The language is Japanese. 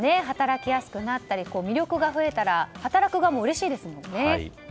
働きやすくなったり魅力が増えたら働く側もうれしいですもんね。